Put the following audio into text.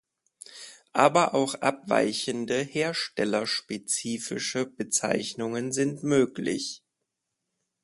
Aber auch abweichende, herstellerspezifische Bezeichnungen sind möglich.